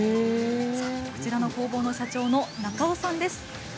こちらの工房の中尾さんです。